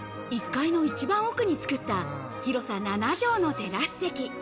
１階の一番奥に作った、広さ７畳のテラス席。